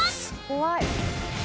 怖い。